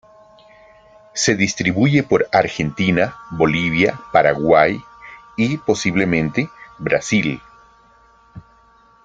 Se distribuye por Argentina, Bolivia, Paraguay y, posiblemente, Brasil.